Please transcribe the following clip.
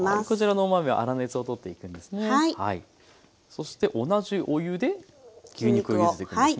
そして同じお湯で牛肉をゆでていくんですね。